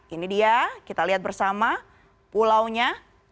ini dia kita lihat bersama pulaunya